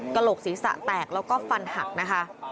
โหลกศีรษะแตกแล้วก็ฟันหักนะคะ